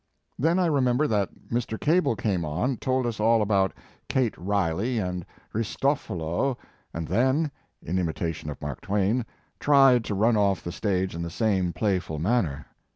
Then I remem ber that Mr. Cable came on, told us all about "Kate Riley" and "Ristofolo," and then, in imitation of Mark Twain, tried to run off the stage in the same playful manner.